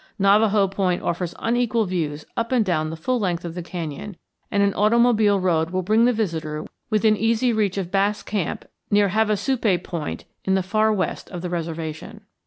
Navajo Point offers unequalled views up and down the full length of the canyon, and an automobile road will bring the visitor within easy reach of Bass Camp near Havasupai Point in the far west of the reservation.